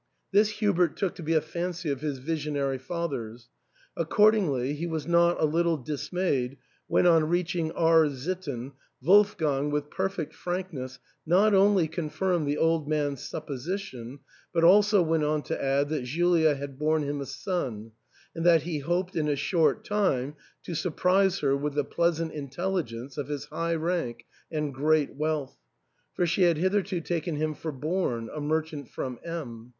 This Hubert took to be a fancy of his visionary father's ; accordingly he was not a little dismayed when on reaching R — sitten Wolfgang with perfect frankness not only confirmed the old man's supposition, but also went on to add that Julia had borne him a son, and that he hoped in a short time to surprise her with the pleas ant intelligence of his high rank and great wealth, for she had hitherto taken him for Born, a merchant from M